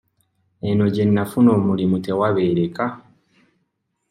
Eno gye nnafuna omulimu tewabeereka.